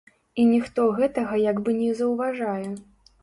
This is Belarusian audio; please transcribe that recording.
І ніхто гэтага як бы не заўважае.